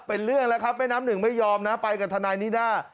เป็นเรื่องแล้วครับแม่น้ำหนึ่งไม่ยอมนะไปกับทนายนิด้า